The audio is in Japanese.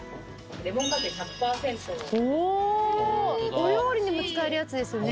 お料理にも使えるやつですよね。